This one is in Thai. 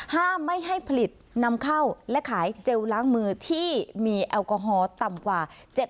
ห้ามไม่ให้ผลิตนำเข้าและขายเจลล้างมือที่มีแอลกอฮอล์ต่ำกว่า